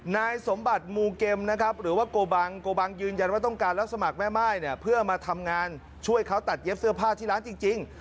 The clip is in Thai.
นายสมบัติมูเกมนะครับหรือว่าโกบังโกบังยืนยันว่าต้องการรับสมัครแม่ม่ายเนี่ยเพื่อมาทำงานช่วยเขาตัดเย็บเสื้อผ้าที่ร้านจริง